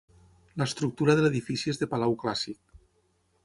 L'estructura de l'edifici és de palau clàssic.